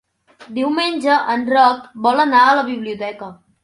Diumenge en Roc vol anar a la biblioteca.